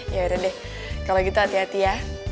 yaudah deh kalau gitu hati hati ya